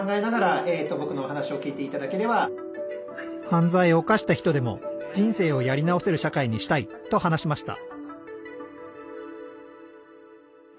犯罪を犯した人でも人生をやり直せる社会にしたいと話しました